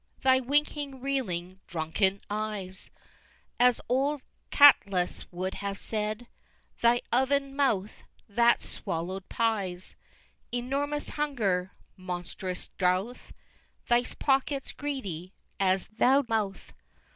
Thy winking, reeling, drunken eyes, (As old Catullus would have said), Thy oven mouth, that swallow'd pies Enormous hunger monstrous drowth! Thy pockets greedy as thou mouth!